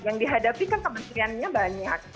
yang dihadapi kan kementeriannya banyak